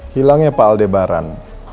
hilangnya pak aldebaran